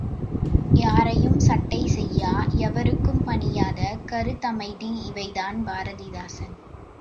யாரையும் சட்டை செய்யா, எவருக்கும் பணியாத கருத்தமைதி இவைதான் பாரதிதாசன்.